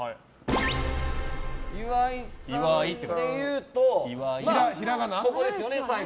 岩井さんでいうとここですよね、最後。